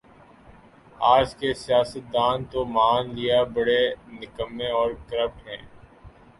آج کے سیاستدان تو مان لیا بڑے نکمّے اورکرپٹ ہیں